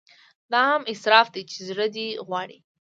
دا هم اسراف دی چې زړه دې غواړي.